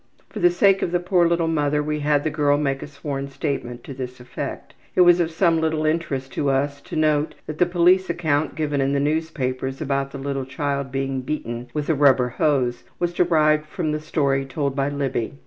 For the sake of the poor little mother we had the girl make a sworn statement to this effect. It was of some little interest to us to note that the police account given in the newspapers about the little child being beaten with a rubber hose was derived from the story told by Libby.